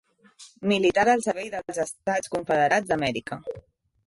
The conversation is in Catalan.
Militar al servei dels Estats Confederats d'Amèrica.